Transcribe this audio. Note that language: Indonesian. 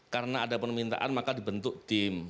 kalau ada permintaan maka dibentuk tim